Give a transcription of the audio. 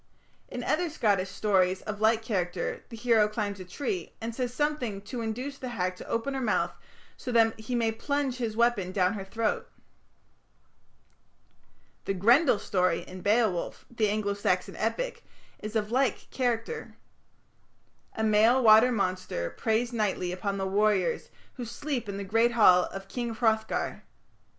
In other Scottish stories of like character the hero climbs a tree, and says something to induce the hag to open her mouth, so that he may plunge his weapon down her throat. The Grendel story in Beowulf, the Anglo Saxon epic, is of like character. A male water monster preys nightly upon the warriors who sleep in the great hall of King Hrothgar.